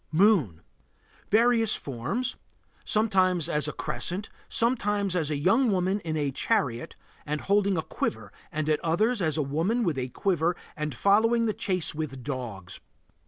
MOON. Various forms. Sometimes as a crescent, sometimes as a young woman in a chariot and holding a quiver, and at others as a woman with a quiver and following the chase with dogs.